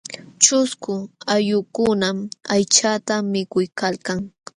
Ćhusku allqukunam aychata mikuykalkan.